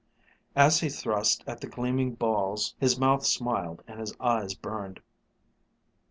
As he thrust at the gleaming balls, his mouth smiled and his eyes burned.